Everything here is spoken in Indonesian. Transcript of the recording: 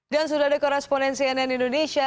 dan sudah ada koresponen cnn indonesia